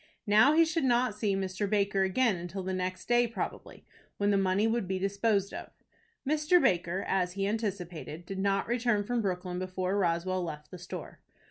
Now he should not see Mr. Baker again till the next day probably, when the money would be disposed of. Mr. Baker, as he anticipated, did not return from Brooklyn before Roswell left the store.